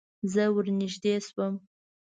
زه ور نږدې شوم.